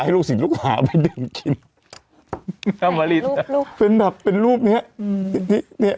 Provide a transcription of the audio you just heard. ให้ลูกสินลูกหาไปดื่มกินอมริดเป็นแบบเป็นรูปเนี้ยอืมนี่นี่นี่